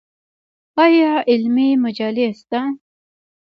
آیا علمي مجلې شته؟